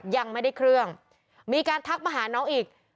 ยังไม่ได้เครื่องมีการทักมาหาน้องอีก